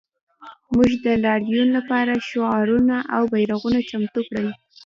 موږ د لاریون لپاره شعارونه او بیرغونه چمتو کړل